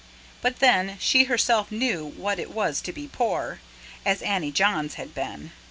But then, she herself knew what it was to be poor as Annie Johns had been.